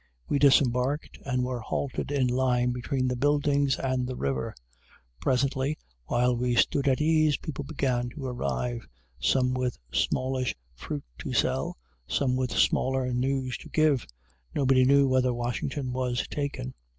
We disembarked, and were halted in line between the buildings and the river. Presently, while we stood at ease, people began to arrive, some with smallish fruit to sell, some with smaller news to give. Nobody knew whether Washington was taken.